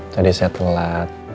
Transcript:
tadi saya telat